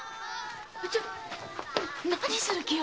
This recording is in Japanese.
ちょっと何する気よ！